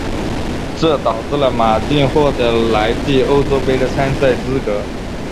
这导致了马竞获得来季欧洲杯的参赛资格。